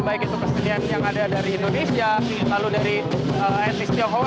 baik itu kesenian yang ada dari indonesia lalu dari etnis tionghoa